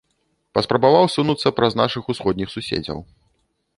Паспрабаваў сунуцца праз нашых усходніх суседзяў.